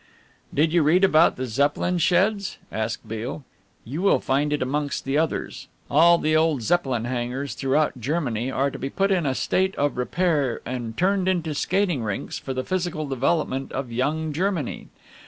"Did you read about the Zeppelin sheds?" asked Beale. "You will find it amongst the others. All the old Zepp. hangars throughout Germany are to be put in a state of repair and turned into skating rinks for the physical development of young Germany.